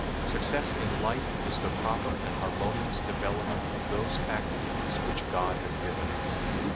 Success in life is the proper and harmonious development of those faculties which God has given us.